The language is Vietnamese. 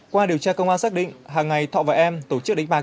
qua điều tra công an xác định hàng ngày thọ và em tổ chức đánh bạc